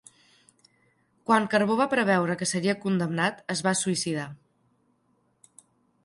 Quan Carbó va preveure que seria condemnat, es va suïcidar.